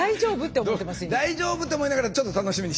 「大丈夫？」って思いながらちょっと楽しみにしている。